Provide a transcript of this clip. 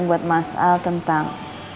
buat mas al tentang